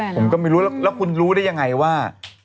ผมก็ไม่รู้แล้วคุณรู้ได้ยังไงว่า